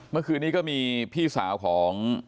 เมื่อคืนนี้ก็มีพี่สาวของ